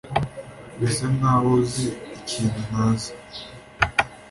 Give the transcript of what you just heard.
Birasa nkaho uzi ikintu ntazi.